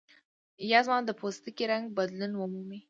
یا زما د پوستکي رنګ بدلون ومومي.